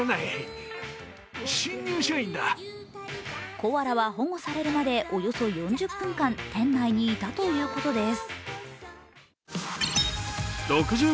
コアラは保護されるまでおよそ４０分間、店内にいたということです。